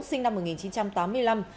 sinh năm một nghìn chín trăm tám mươi năm